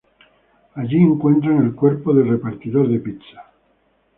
Allí encuentran el cuerpo del repartidor de pizza.